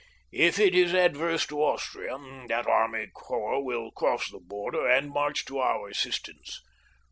If it is adverse to Austria that army corps will cross the border and march to our assistance.